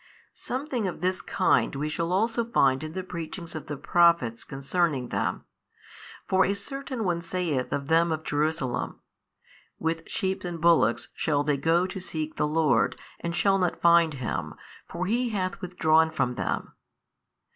Something of this kind we shall also find in the preachings of the Prophets concerning them. For a certain one saith of them of Jerusalem, With sheep and bullocks shall they go to seek the Lord, and shall not find Him, for He hath withdrawn from them.